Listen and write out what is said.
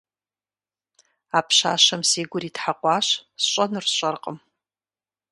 А пщащэм си гур итхьэкъуащ, сщӏэнур сщӏэркъым.